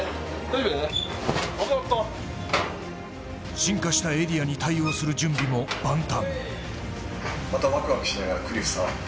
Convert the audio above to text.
進化したエリアに対応する準備も万端。